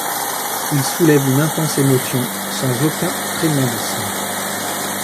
Il soulève une intense émotion sans aucun tremendisme.